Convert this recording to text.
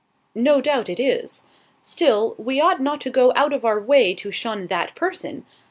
"No doubt it is. Still we ought not to go out of our way to shun that person.